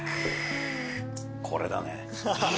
これだね。